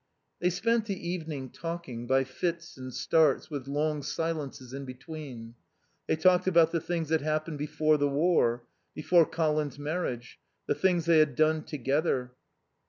They spent the evening talking, by fits and starts, with long silences in between. They talked about the things that happened before the war, before Colin's marriage, the things they had done together.